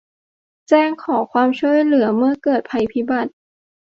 แจ้งขอความช่วยเหลือเมื่อเกิดภัยพิบัติ